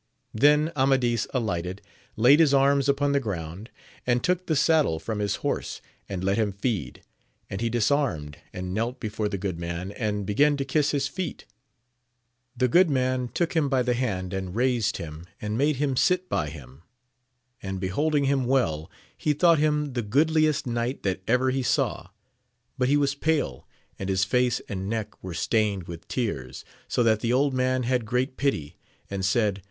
Then Amadis alighted, laid his arms upon the ground, and took the saddle from his horse and let him feed ; and he disarmed, and knelt before the good man, and began to kiss his feet. The good man took him by the hand and raised ;him, and made him sit by him j and, beholding him well, he thought him the goodliest knight that ever he saw, but he was pale and his face and neck were stained with tears, so that the old man had great pity, and said.